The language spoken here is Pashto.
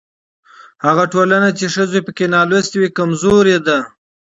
هغه ټولنه چې ښځې پکې نالوستې وي کمزورې ده.